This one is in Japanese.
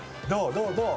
どう？どう？」